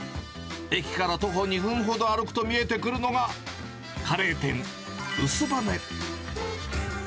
駅から徒歩２分ほど歩くと見えてくるのが、カレー店、ウスバネ。